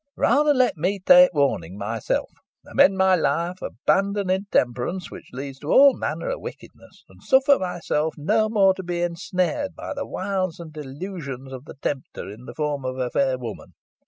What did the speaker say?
Rather let me take warning myself, amend my life, abandon intemperance, which leads to all manner of wickedness, and suffer myself no more to be ensnared by the wiles and delusions of the tempter in the form of a fair woman.